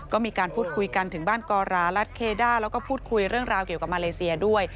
ก็มีการพูดคุยกันถึงบ้านกอรารัฐเคด้าแล้วก็พูดคุยเรื่องราวเกี่ยวกับมาเลเซียด้วย